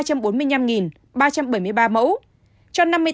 cho năm mươi tám ba trăm bốn mươi hai bảy trăm bảy mươi chín lượt người